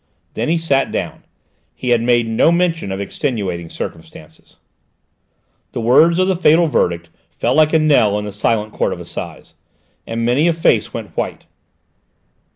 Then he sat down: he had made no mention of extenuating circumstances. The words of the fatal verdict fell like a knell in the silent Court of Assize, and many a face went white.